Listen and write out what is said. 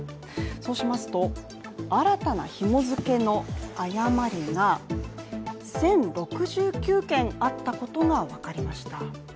そうしますと、新たなひも付けの誤りが１０６９件あったことが分かりました。